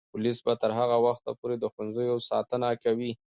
پولیس به تر هغه وخته پورې د ښوونځیو ساتنه کوي.